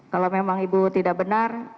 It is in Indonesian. kalau memang ibu tidak benar